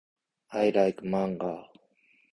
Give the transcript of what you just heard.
I like manga.